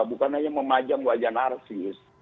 bukan hanya memajang wajah narsis